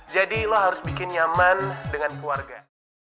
jadi lo harus bikin nyaman dengan keluarga